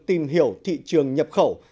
cộng đồng tìm hiểu thị trường nhập khẩu